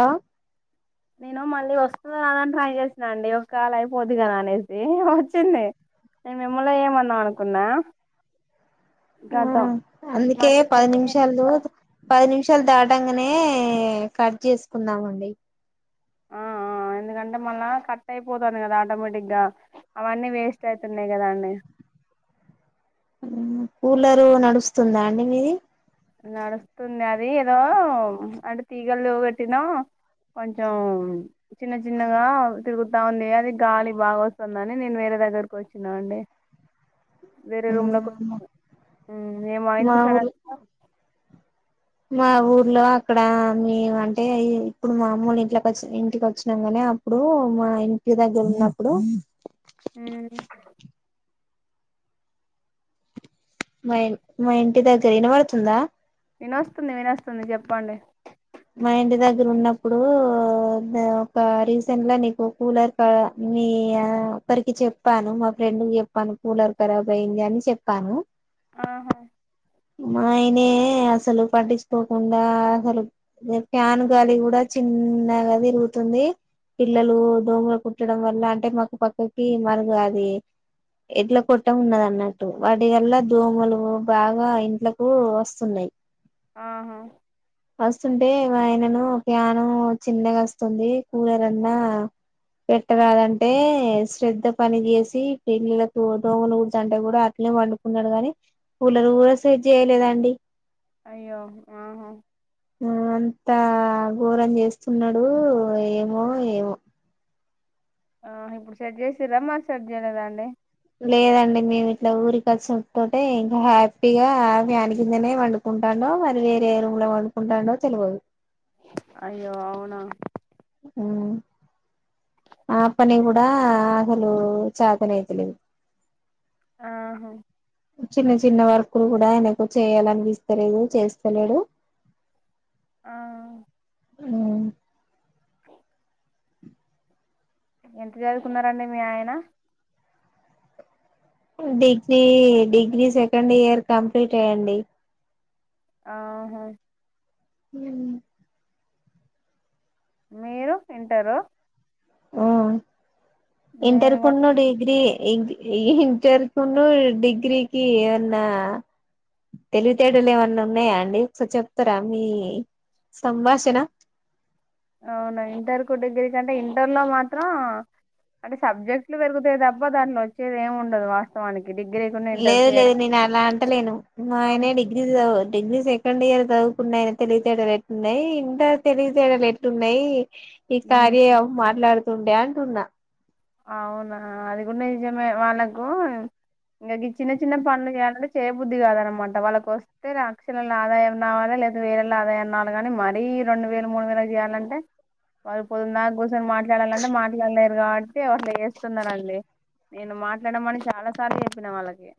ఆ నేను మళ్ళీ వస్తుద రాదా అని ట్రై చేసిన అండి ఒకాళ అయిపోద్ది కదా అనేసి వచ్చింది ముల ఏమందాం అనుకున్నా ఆ గతం అందుకే మళ్ళీ పది నిమిషాలు పది నిమి మిషాలు దాటంగనే కట్ చేసుకుందామండి ఆ ఆ ఎందుకంటే మళ్ళా కట్ అయిపోతాంది కదా ఆటోమేటిగ్గా అవన్నీ వేస్ట్ అయితున్నాయి కదా అండి కూలరు నడుస్తుందా అండి మీది నడుస్తుంది అది ఏదో అంటే తీగలుగట్టినా కొంచెం చిన్న చిన్నగా తిరుగుతా ఉంది అది గాలి బాగా వస్తుందని నేను వేరే దగ్గరకు వచ్చినా అండి వేరే రూమ్ లో కొ మేము మా ఎందు ఊర్లో మా ఊర్లో అక్కడ మేము అంటే ఈ ఇప్పుడు మా అమ్మోల్ల ఇంట్లోకి వచ్చిన ఇంటికి వచ్చినాం గాని అప్పుడు మా ఇంటి దగ్గర ఉన్నప్పుడు హ్మ్ మా మా ఇంటి దగ్గర వినపడుతుందా వినస్తుంది వినస్తుంది చెప్పండి మా ఇంటి దగ్గర ఉన్నప్పుడు ఒక రీసెంట్ గా నీకు కూలర్ మీ ఒక్కరికి చెప్పాను మా ఫ్రెండ్కి చెప్పాను కూలర్ కరాబ్ అయ్యింది అని చెప్పాను ఆహా నే అసలు పట్టించుకోకుండా అసలు ఫ్యాన్ గాలి కూడా చిన్నగా తిరుగుతుంది పిల్లలు దోమలు కుట్టడం వల్ల అంటే మాకు పక్కకి మరుగు అది ఎడ్ల కొట్టం ఉన్నది అన్నట్టు వాటి వల్ల దోమలు బాగా ఇంట్లకు వస్తున్నయి ఆహా వస్తుంటే ఆయనను ప్యాను చిన్నగా వస్తుంది కూలరన్నా పెట్టరాదంటే శ్రద్ధ పని చేసి పిల్లలకు దోమలు కుడతాంటే కూడా అట్నే పండుకున్నాడు గానీ కూలర్ కూడా సెట్చేయలేదండి అయ్యో ఆహో ఆ అంతా ఘోరం చేస్తున్నాడు ఏమో ఏమో ఆ ఇప్పుడు సెట్ చేసిరా మరి సెట్ చేయలేదా అండి లేదండి మేము ఇట్లా ఊరికచ్చుడ్ తోటే ఇంకా హ్యాపీగా ఫ్యాన్ కిందనే పండుకుంటాండో మరి వేరే రూమ్ లో పండుకుంటాండో తెలవదు అయ్యో అవునా హ్మ్ ఆ పని కూడ అసలు చాతనైతలేదు ఆహా చిన్న చిన్న వర్క్లు కూడ ఆయనకు చేయాలనిపిస్తలేదు చేస్తలేడు ఆ హ్మ్ ఎంత చదువుకున్నారండి మీ ఆయన degree degree second year complete అండి ఆహా హ్ మీరు ఇంటరు. ఆ ఇంటర్ నేను కూడా కున్ను డిగ్రీ ఏంది ఇంటర్ కున్ను డిగ్రీకి ఏమన్నా తెలివితేడాలు ఏమన్నా ఉన్నాయా అండి. ఒకసారి చెప్తారా మీ సంభాషణ. అవునా ఇంటర్ కు డిగ్రీకి అంటే ఇంటర్ లో మాత్రం అంటే సబ్జెక్ట్లు పెరుగుతాయి తప్పా దాంట్లో వచ్చేది ఏమి ఉండదు వా లేదు లేదు నేను అలా అంటలేను మా ఆయనే డిగ్రీ చవు డిగ్రీ సెకండ్ ఇయర్ చదువుకున్నాయనా తెలివితేటలు ఎట్లున్నయి, ఇంటర్ తెలివితేటలెట్లున్నయి ఈ కార్య ఆప్ మాట్లాడు టుండే అంటున్నా. అవునా అది కూడా నిజమే వాళ్ళకు ఇంగ గి చిన్న చిన్న పనులు చేయాలంటే చేయబుద్ది కాదనమాట వాళ్ళకొస్తే లక్షలల్లో ఆదాయం రావాలి లేదా వేలలో ఆదాయం రావాలి. కాని మరీ రెండు వేలు మూడు వేలుకు చేయాలంటే వాళ్లు పొద్దుందాక కూసో ని మాట్లాడాలన్నా మాట్లాడలేరు. రా అందుకే అట్లా చేస్తున్నరండి నేను మాట్లాడమని చాలా సార్లు చెప్పినా వాళ్ళకి.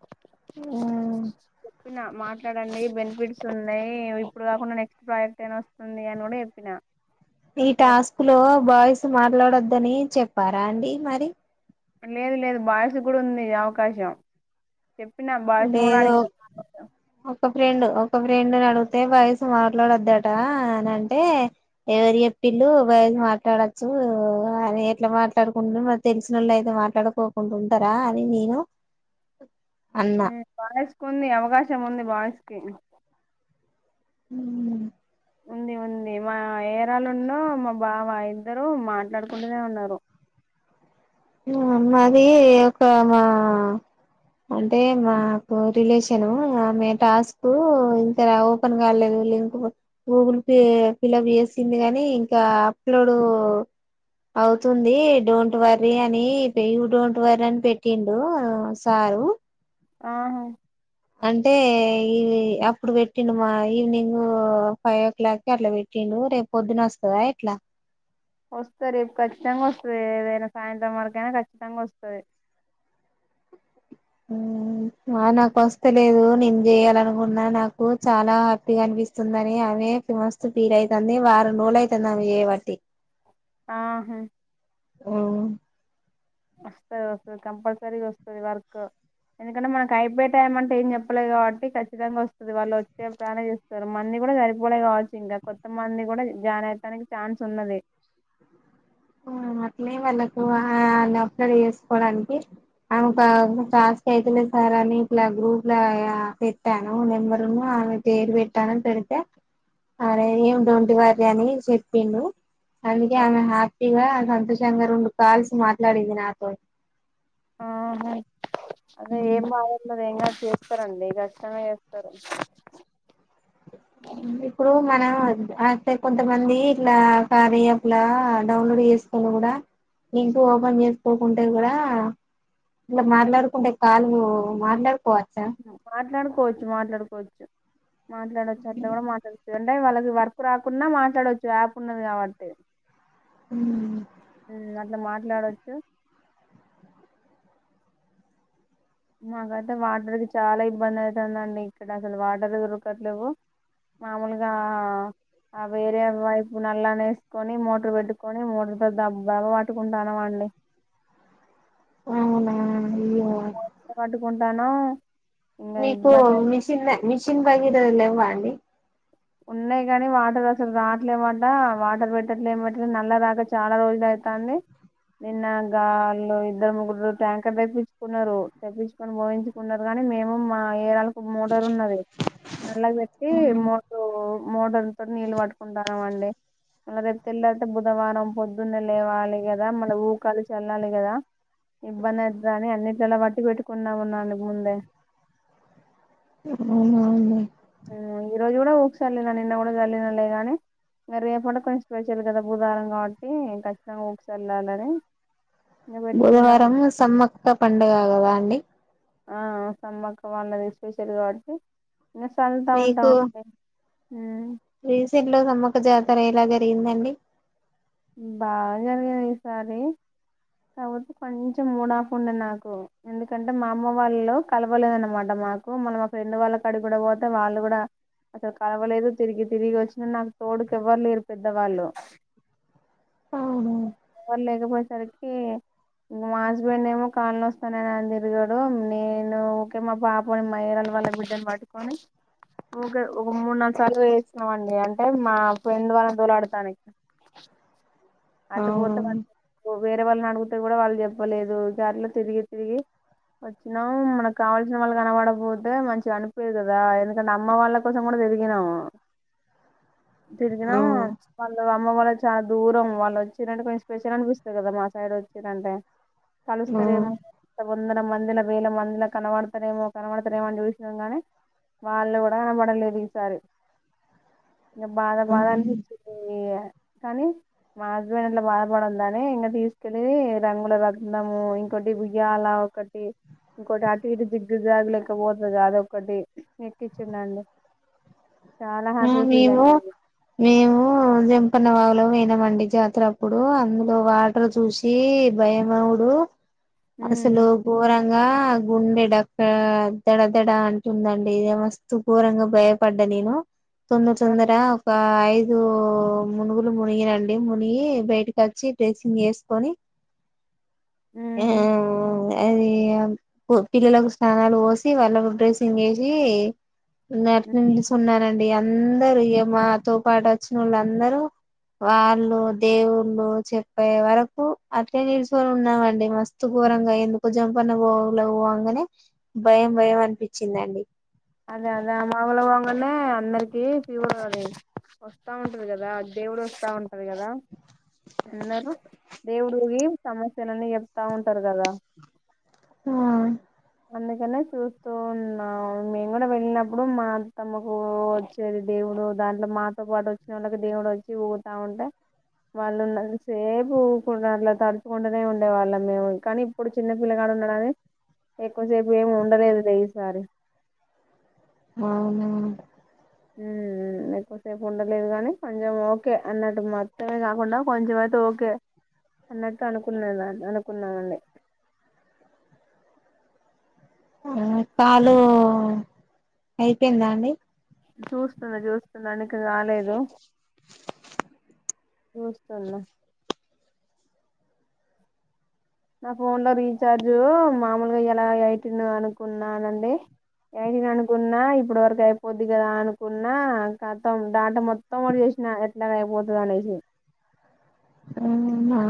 ఊ ప్పిన మాట్లాడండి బెనిఫిట్స్ ఉన్నయి. ఇప్పుడు కాకుండా నెక్స్ట్ ప్రాజెక్ట్ ఐనా వస్తుంది అని కూడా చెప్పినా. ఈ టాస్క్ లో బాయ్స్ మ ట్లాడొద్దని చెప్పారా అండి మరి. లేదు లేదు బాయ్స్ కూడా ఉంది అవకాశం. చెప్పిన బాయ్స్ ని కూడా లేదు అడిగిన్రు [inaudible] ఒక ఫ్రెండ్ ఒక ఫ్రెండ్ నడుగుతే బాయ్స్ మాట్లాడొద్దటా అని అంటే ఎవరు చెప్పిల్లు బాయ్స్ మాట్లాడచ్చు. అయినా ఎట్లా మాట్లాడుకునుడు మరి తెలిసినోళ్ళు అయితే మాట్లాడుకోకుండా ఉంటారా అని నేను అన్నా హ్ బాయ్స్ కుంది అవకాశం ఉంది బాయ్స్. ఓకేనా హ్ ఉంది ఉంది మా ఏరాలు ఉన్ను మా బావ ఇద్దరు మాట్లాడుకుంటనే ఉన్నరు. హ మాది ఒకా అంటే మాకు రిలేషన్ ఆమె టాస్క్ ఇంకా ఓపెన్ కాలేదు. లింక్ గూగుల్కి ఫిలప్ చేసింది. కానీ ఇంకా అప్లోడ్ అవుతుంది డోంట్ వర్ రి అని యూ డోంట్ వరి అని పెట్టిండు సారు. ఆహా అంటే ఈ అప్పుడు పెట్టిండు. మా ఈవినింగ్ ఫైవ్ ఓ క్లాక్కిి అట్లా పెట్టిండు. రేపు పొద్దున అస్తదా ఎట్లా. వస్తది రేపు ఖచ్చితంగా వస్తది ఏదైనా సాయంత్రం వరకైనా ఖచ్చితంగా వస్తది. హ్ ఆ నాకు వస్తలేదు. నేను చేయాలనుకున్నా, నాకు చాలా హ్యాపీగా అనిపిస్తుందని అమె మస్తు ఫీల్ అయితంది వారం రోజులైతుంది ఆమె చేయబట్టి. ఆహా అ వస్తది వస్తది కంపల్సరీగా వస్తది వర్క్. ఎందుకంటే మనకు అయిపోయే టైం అంటే ఏం చెప్పలేదు కాబట్టి ఖచ్చితంగా వస్తది. వాళ్ళు వచ్చే ప్లానే చేస్తరు. మంది కూడా సరిపోలే కావచ్చు ఇంగా కొత్త మంది కూడా జాయిన్ అవుతానికి ఛాన్స్ ఉన్నది. అట్లే వాళ్ళకు ఆ అప్లోడ్ చేసుకోవడానికి ఆమె ఒక టాస్క్ అయితేలే సార్ అని ఇట్లా గ్రూప్ పెట్టాను. నెంబరున్ను ఆమె పేరు పెట్టాను, పెడితే ఆరే ఏమి డొంట్ వర్రి అని చెప్పిండు. అందుకే ఆ, ఆమె హ్య పిగా సంతోషంగా రెండు కాల్స్ మాట్లాడింది నాతోని. ఆహా అదే ఏం బాగుంది [inaudible] ఎంగా చేస్తారండి కశ్చితం చేస్తారు [unintelligible] తే కొంతమంది ఇట్లా కార్య యాప్ లా డౌన్లోడ్ చేసుకొని కూడా లింక్ ఓపెన్ చేసుకోకుంటే కూడా ఇలా మాట్లాడుకుంటే కాలు మాట్లాడు మాట్లాడుకోవచ్చు మాట్లాడుకోవచ్చు మాట్లాడచ్చు అట్లా కూడా మాట్లాడచ్చు అంటే వాళ్ళకి వర్క్ రాకున్నా మాట్లాడవచ్చు యాప్ ఉన్నది కాబట్టి ఉమ్ ఉమ్మ్ [unintelligible] ఇట్లా మాట్లాడచ్చు మాకైతే వాటర్కి చాలా ఇబ్బంది అవుతుందండి ఇక్కడ అసలు వాటర్ దొరకట్లేదు మామూలుగా ఆ వేరే వైపు నల్లనే కొని మోటర్ బెట్టుకొని మోటర్ డబ్బలా పట్టుకుంటానమండి అవునా అయ్యె దను [unintelligible] మీకు మిషిన్ మిషిన్ [unintelligible] లెవ్వా అండి ఉన్నాయి కాని వాటర్ అసలు రావట్లేమట వాటర్ పెట్టట్లేమంటే నల్ల రాక చాలా రోజులు ఐతాంది నిన్న గాళు ఇద్దరు ముగ్గురు ట్యాంకర్ తెప్పించుకున్నారు తెప్పించుకొని పోయించుకున్నారు కానీ మేము మా ఏరాల మోటరు ఉన్నది నల్ల పెట్టి మో మోటర్ తోటి నీళ్ళు పట్టుకుంటాన్నామండి ఇంక మళ్ళ రేపు తెల్లతే బుధవారం పొద్దున్నే లేవాలి కదా మళ్ళీ ఊకాలు చల్లాలి కదా ఇబ్బంది ఐతదని అన్నిట్లా పట్టి పెట్టుకున్నామున్నాండి ముందే అవునా అండి ఈరోజు కూడా ఊక సల్లిన నిన్న కూడా చల్లినా లే కానీ ఇగ రేపంటే కొంచెం స్పెషల్ కదా బుధవారం కాబట్టి ఖచ్చితంగా ఊక సల్లాలని బుధవారం సమ్మక్క పండుగ కదా అండి ఆ సమ్మక్క వాళ్ళది స్పెషల్ కాబట్టి ఇంక సల్లతా ఉంటాం మీకు అండి రీసెంట్ లో సమ్మ [unintelligible] జాతర ఎలా జరిగిందండి బాగా జరిగింది ఈసారి కాకపోతే కొంచెం మూడ్ ఆఫ్ ఉండె నాకు ఎందుకంటే మా అమ్మ వాళ్ళు కలవలేదన్నమాట మాకు మళ్ళీ మా ఫ్రెండ్ వాళ్ళ కాడి కూడా పోతే వాళ్ళు కూడా అసలు కలవలేదు తిరిగి తిరిగి వచ్చిన నాకు తోడుకి ఎవ్వరులేరు పెద్దవాళ్ళు అవును [unintelligible] ఎవ్వరు లేకపో కరెక్టే మా హస్బెండ్ ఏమో కాళ్లో వస్తాననిని తిరిగాడు నేను ఊకే మా పాప మా ఏరే వాళ్ళ బిడ్డను పట్టుకొని కే ఒక మూడు నాలుగు సార్లు వేసన్నాం అండి అంటే మా ఫ్రెండ్ వాళ్ల దోలాడతాను ఇ అటు పోత అవును [unintelligible] వేరే వాళ్ళని అడిగితే కూడా వాళ్ళు చెప్పలేదు దారిలో తిరిగి తిరిగి వచ్చినాం మనకు కావాల్సిన వాళ్ళకి కనపడకపోతే మంచిగా అనిపిదు కదా ఎందుకంటే అమ్మ వాళ్ళ కోసం కూడా తిరిగినాం తిరిగినాం అవును వాళ్ళు అమ్మ వాళ్ళ చాలా దూరం వాళ్ళ వచ్చిరంటే కొంచెం స్పెషల్ అనిపిస్తుంది కదా మా సైడ్ వచ్చిర్రంటే కలుస్తారేమో ఆ వందర మందిల, వేల మందిల కనబడతారేమో, కనబడతారేమో అని చూసినం గాని వాళ్ళు కూడా కనబడలేదు ఈసారి. బాధ బాధనిపిచింది. ఏ కానీ మా హస్బెండ్ అట్లా బాధపడ్డిదని ఇంకా తీసుకెల్లి రంగుల రట్నం, ఇంకోటి ఉయ్యాల ఒకటి ఇంకొటి అటు ఇటు జిగ్గుజాగులు ఎకపోతుంది అద ఒకటి ఎక్కిచ్చుండండి. మేము మేము జంపన వా బలమనామండి జాతర అప్పుడు అందులో వాటర్ చూసి భయమవుడు ఉమ్, అసలు బోరా భయంగా గుండెడక్క దడ దడా అంటుందండి ఇద మస్తు ఘోరంగా భయపడ్డా నేను. తొందర ఆ, తొందర ఒక ఐదు మునుగులు మునిగినండి. మునిగి బయటకి వచ్చి డ్రెస్సింగ్ వేసుకొని ఆ ఉమ్, [unintelligible] అది పిల్లలకు స్నానాలు పోసి వాళ్ళకు డ్రెసింగ్ వేసి నేను అట్లే నిల్సునానండీ. అందరు మాతో పాటు వచ్చిన వాళ్ళు, అందరూ వాళ్ళు దేవుళ్ళు చెప్పే వరకు అట్లే నిల్చొని ఉన్నామండి. మస్తు గోరంగా ఎందుకు జంపన గల అగానే భయం భయం అనిపించిందండి. అదే అదే ఆ మామలు బగానే అందరికి ఫీవర్ అ వస్తా ఉంటది కదా. దేవుడు వస్తా ఉంటు అదే కదా ఎన్నారు దేవుడికి సమస్యలన్నీ చెప్తా ఉంటారు కదా. ఆ అందుకనే చూస్తూ ఉన్నాం. మేము కూడా వెళ్ళినప్పుడు మా అత్తమ్మకు వచ్చేది దేవుడు. దాంట్లో మాతో పాటు వచ్చిన వాళ్ళకి దేవుడు వచ్చి ఊగుతూ ఉంటే వాళ్ళు సేపు ఊకు అంట్లో తడుచుకుంటూనే ఉండేవాళ్ళ మేము. కానీ ఇప్పుడు చిన్నపిల్లగాడ ఉన్నడని ఎక్కువసేపు ఏమి ఉండలేదు. ఈసారి అవును ఊఉ ఎక్కువసేపు ఉండలేదు కానీ కొంచెం ఓకే అన్నట్టు, మొత్తమే కాకుండా కొంచెం అయితే ఓకే అన్నట్టు అనుకున్నాద అనుకున్నానండి. కాలు అయిపోయిందా అండి చూస్తున్నా చూస్తున్నా అందునికి రాలేదు. చూస్తున్న నా ఫోన్లో రీఛార్జ్ మామూలుగా ఇలా ఎఐటీన్ అనుకున్నానండి. ఎఐటీని అనుకున్నా ఇప్పటి వరకు అయిపోద్ది కదా అనుకున్న, కతం డేటా మొత్తం ఒకటి చేసిన ఎట్లాగ అయిపోతుంది అనేసి. ఆ ఉన్న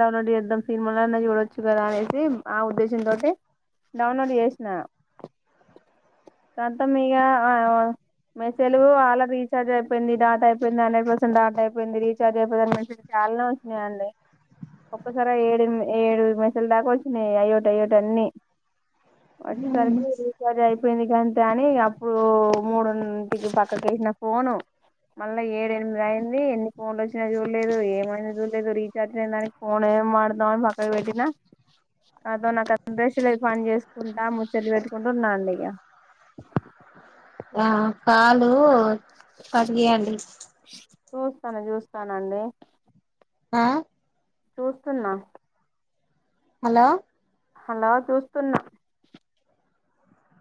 డౌన్లోడ్ చేద్దాం సినిమాలో చూడవచ్చు కదా అనేసి, ఆ ఉద్దేశంతో డౌన్లోడ్ చేసిన కాతం ఇక మెసేజ అలా రీచార్జ్ అయిపోయింది. డాట అయిపోయింది, హండ్రెడ్ పర్సెంట్ డాట అయిపోయింది. రీచార్జ్ అయిపోయి మసజయాలనే వచ్చినాయిడి ఒక్కసారి ఏడు ఏడు మెసెజు లు దాకవచ్చినాయి అయ్యోటి అయ్యోటి అన్ని వచ్చేసరికి రీఛార్జ్ అయిపోయింది కాంతే అని ఇప్పుడు మూడుంటికి పక్కకిసిన ఫోను మళ్ళా ఏడు ఎనిమిది అయింది ఎన్ని ఫోన్లు వచ్చ. చూడలేదు ఏమైందోచుడలేదు రిఛార్జ్ దానికి కోన ఏ మాడదాం అని పక్కకు పెట్టినా, కాతో నాకు అందరేసిల పని చేసుకుంటా ముచ్చది పెట్టుకుంటూ ఉన్నాండి ఇక ఆ కాలు పడిగయడి చూస్తాను, చూస్తానండి ఆ చూస్తున్నా హలో హలో చూస్తున్నా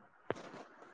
ఆ